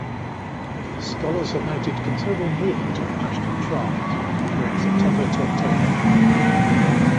Scholars have noted considerable movement of Pashtun tribes during September-October.